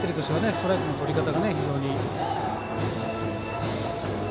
ストライクのとり方が非常に。